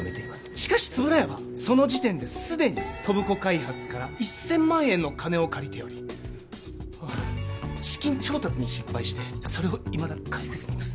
しかし円谷はその時点で既に戸部子開発から１０００万円の金を借りており資金調達に失敗してそれをいまだ返せずにいます